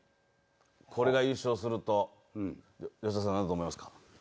これが優勝すると、吉田さん、何だと思いますか。